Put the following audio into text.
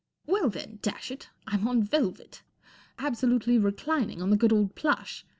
" Well, then, dash it, I'm on velvet. Absolutely reclining on the good old plush